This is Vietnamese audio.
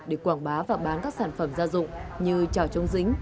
để quảng bá và bán các sản phẩm gia dụng như trào chống dính